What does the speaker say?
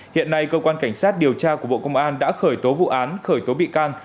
hiện nay cơ quan cảnh sát điều tra của bộ công an đã khởi tố vụ án khởi tố bị can